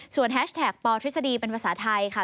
แฮชแท็กปทฤษฎีเป็นภาษาไทยค่ะ